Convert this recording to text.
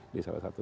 ini salah satu